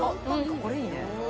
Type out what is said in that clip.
これ、いいね。